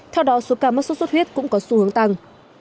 theo đó số ca mắc sốt xuất huyết cũng có xu hướng tăng